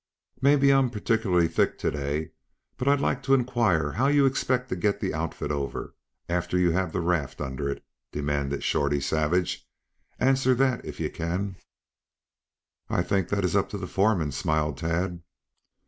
"Mebby I'm particularly thick to day, but I'd like to inquire how you expect to get the outfit over, after you have the raft under it?" demanded Shorty Savage. "Answer that, if you can?" "I think that is up to the foreman," smiled Tad.